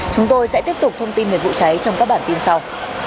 chúng tôi sẽ tiếp tục thông tin về vụ cháy trong các bản tin sau